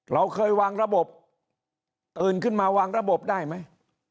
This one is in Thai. เราเคยวางระบบตื่นขึ้นมาวางระบบได้ไหม